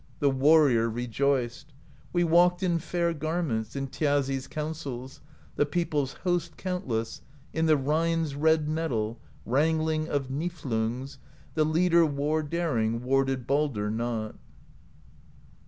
The warrior rejoiced; We walked in fair garments. In Thjazi's counsels The people's host countless. In the Rhine's red metal. Wrangling of Niflungs, The leader war daring. Warded Baldr not.